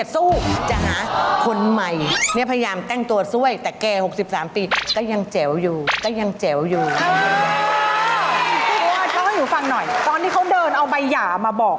ตอนนี้เป็นแล้วเก้งมาก